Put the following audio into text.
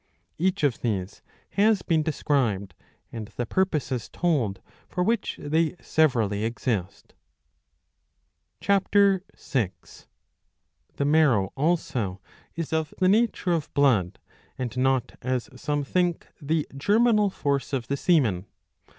Each of these has been described, and the purposes told for which they severally exist. (Ck. 6.) The marrow also is of the nature of blood, and not as some^ think the germinal force of the semen.